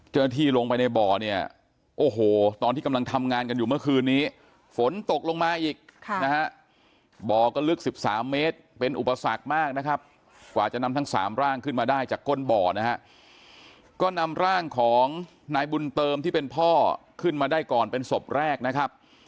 เจ้าหน้าที่ลงไปในบ่อเนี่ยโอ้โหตอนที่กำลังทำงานกันอยู่เมื่อคืนนี้ฝนตกลงมาอีกนะฮะบ่อก็ลึก๑๓เมตรเป็นอุปสรรคมากนะครับกว่าจะนำทั้งสามร่างขึ้นมาได้จากก้นบ่อนะฮะก็นำร่างของนายบุญเติมที่เป็นพ่อขึ้นมาได้ก่อนเป็นศพแรกนะครับ